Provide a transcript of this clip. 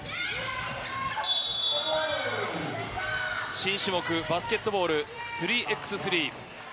新種目、バスケットボール３ｘ３。